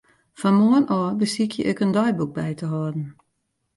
Fan moarn ôf besykje ik in deiboek by te hâlden.